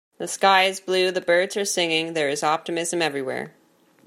The sky is blue, the birds are singing, there is optimism everywhere.